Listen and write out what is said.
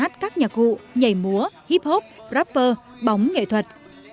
và hát các nhạc vụ nhảy múa hip hop rapper bóng nghệ thuật